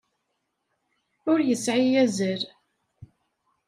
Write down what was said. Ur yesεi azal.